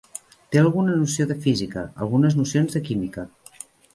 Té alguna noció de física, algunes nocions de química.